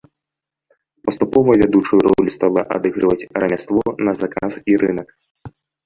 Паступова вядучую ролю стала адыгрываць рамяство на заказ і рынак.